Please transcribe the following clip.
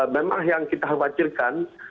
memang yang kita khawatirkan